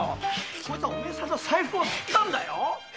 こいつはお前さんのサイフをスったんだよ。